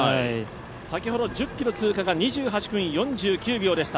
先ほど１０ｋｍ通過が２８分４９秒でした。